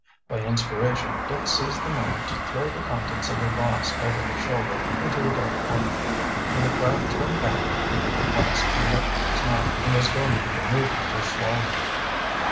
By inspiration Dick seized the moment to throw the contents of the glass over his shoulder into a dark corner. When the crowd turned back he had the glass turned up to his mouth and was going through the movement of swallowing.